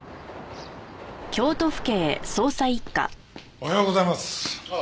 おはようございます。